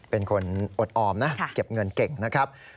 เป็นคนอดออมนะเก็บเงินเก่งนะครับ